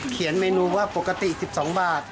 เขียนเมนูว่าปกติ๑๒บาท